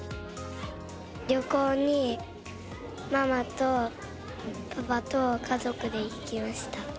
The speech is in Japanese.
旅行にママとパパと家族で行きました。